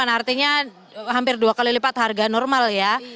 lima puluh delapan artinya hampir dua kali lipat harga normal ya